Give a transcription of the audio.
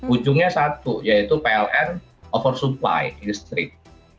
ujungnya satu yaitu pln oversupply listrik